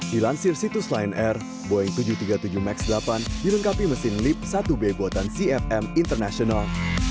dilansir situs line air boeing tujuh ratus tiga puluh tujuh max delapan dilengkapi mesin lip satu b buatan cfm international